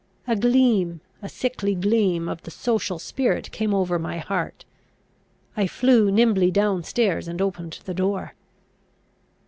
A gleam, a sickly gleam, of the social spirit came over my heart. I flew nimbly down stairs, and opened the door.